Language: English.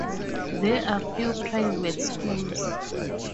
There are few private schools.